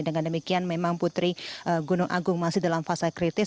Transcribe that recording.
dengan demikian memang putri gunung agung masih dalam fase kritis